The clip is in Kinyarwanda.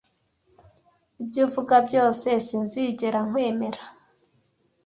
Ibyo uvuga byose, sinzigera nkwemera.